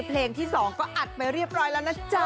เพลงที่๒ก็อัดไปเรียบร้อยแล้วนะจ๊ะ